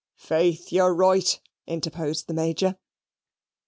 "Faith, you're right," interposed the Major.